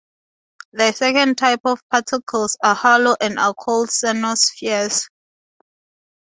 The second type of particles are hollow and are called cenospheres.